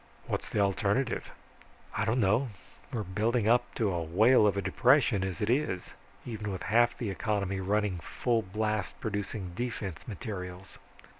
"What's the alternative?" "I don't know. We're building up to a whale of a depression as it is, even with half the economy running full blast producing defense materials."